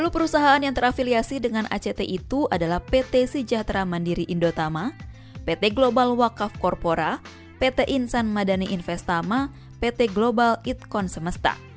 sepuluh perusahaan yang terafiliasi dengan act itu adalah pt sejahtera mandiri indotama pt global wakaf corpora pt insan madani investama pt global itkon semesta